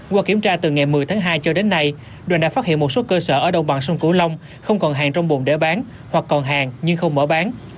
qua kiểm tra từ ngày một mươi tháng hai cho đến nay đoàn đã phát hiện một số cơ sở ở đồng bằng sông cửu long không còn hàng trong bồn để bán hoặc còn hàng nhưng không mở bán